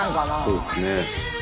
そうですね。